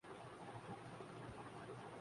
قانون اور ضابطے کے مطابق کام ہوتے۔